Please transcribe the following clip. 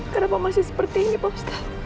kenapa masih seperti ini pak ustadz